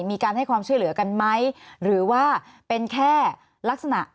มีการให้ความช่วยเหลือกันไหมหรือว่าเป็นแค่ลักษณะ